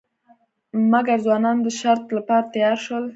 مګر ځوانان د شرط لپاره تیار شول.